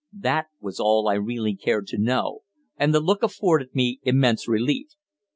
That was all I really cared to know, and the look afforded me immense relief.